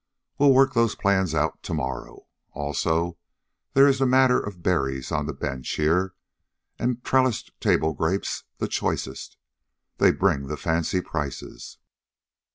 We'll work those plans out to morrow Also, there is the matter of berries on the bench here and trellised table grapes, the choicest. They bring the fancy prices.